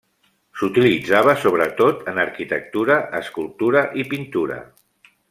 S'utilitzava sobretot en arquitectura, escultura i pintura.